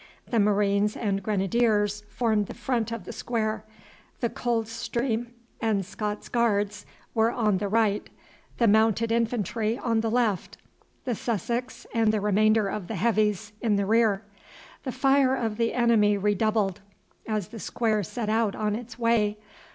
The Marines and Grenadiers formed the front of the square, the Coldstream and Scots Guards were on the right, the Mounted Infantry on the left, the Sussex and the remainder of the Heavies in the rear. The fire of the enemy redoubled as the square set out on its way.